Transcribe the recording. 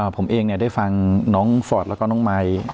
ผมเองได้ฟังน้องฟอร์ดแล้วก็น้องมาย